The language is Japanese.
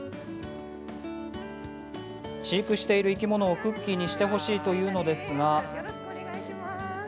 飼育している生き物をクッキーにしてほしいというのですが。